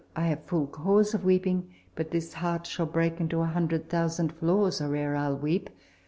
I have full cause of weeping ; but this heart Shall break into a hundred thousand flaws Or ere I'll weep.